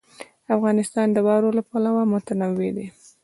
افغانستان د واوره له پلوه متنوع دی.